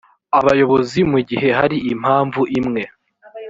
abayobozi mu gihe hari impamvu imwe